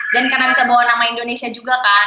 dan karena bisa bawa nama indonesia juga kan